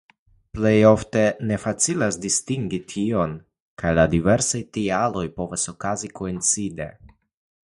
Plej ofte ne facilas distingi tion kaj la diversaj tialoj povas okazi koincide.